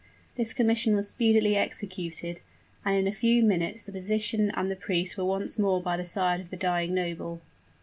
This commission was speedily executed, and in a few minutes the physician and the priest were once more by the side of the dying noble.